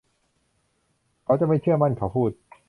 เขาจะไม่เชื่อมั่นเขาพูด